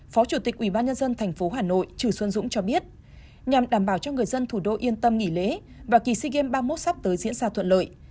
phó chủ tịch ubnd tp hà nội trừ xuân dũng cho biết nhằm đảm bảo cho người dân thủ đô yên tâm nghỉ lễ và kỳ sea games ba mươi một sắp tới diễn ra thuận lợi